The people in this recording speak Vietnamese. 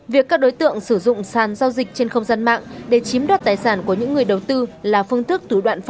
việc các đối tượng sử dụng sàn giao dịch trên không gian mạng để chiếm đoạt tài sản của những người đầu tư là phương thức